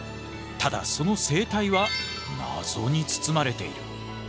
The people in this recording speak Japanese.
ただその生態は謎に包まれている。